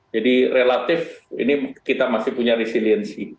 jadi relatif ini kita masih punya resiliensi